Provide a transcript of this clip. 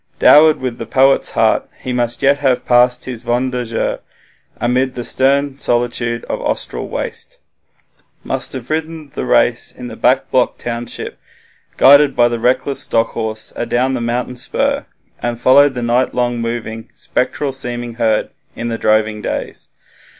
Dowered with the poet's heart, he must yet have passed his 'wander jaehre' amid the stern solitude of the Austral waste must have ridden the race in the back block township, guided the reckless stock horse adown the mountain spur, and followed the night long moving, spectral seeming herd 'in the droving days'.